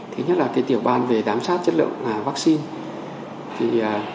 thứ nhất là tiểu ban về giám sát chất lượng vaccine